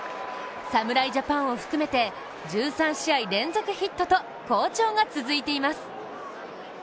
侍ジャパンを含めて１３試合連続ヒットと好調が続いています。